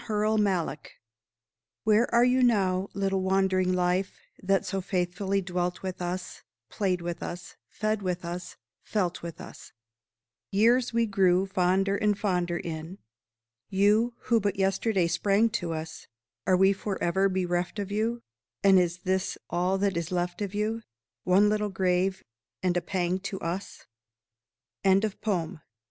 QUESTIONS Where are you now, little wandering Life, that so faithfully dwelt with us, Played with us, fed with us, felt with us, Years we grew fonder and fonder in? You who but yesterday sprang to us, Are we forever bereft of you? And is this all that is left of you One little grave, and a pang to us? WILLIAM HURRELL MALLOCK.